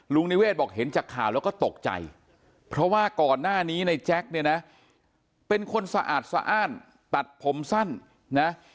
นิเวศบอกเห็นจากข่าวแล้วก็ตกใจเพราะว่าก่อนหน้านี้ในแจ็คเนี่ยนะเป็นคนสะอาดสะอ้านตัดผมสั้นนะ